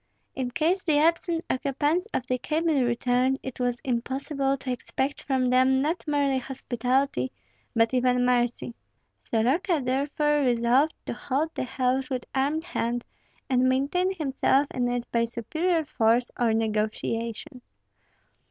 In case the absent occupants of the cabin returned, it was impossible to expect from them not merely hospitality, but even mercy. Soroka therefore resolved to hold the house with armed hand, and maintain himself in it by superior force or negotiations.